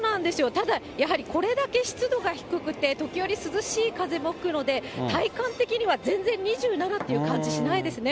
ただ、やはりこれだけ湿度が低くて、時折、涼しい風も吹くので、体感的には全然２７っていう感じしないですね。